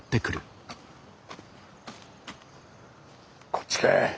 こっちか。